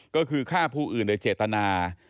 ก็คือฆ่าผู้อื่นโดยเจตนา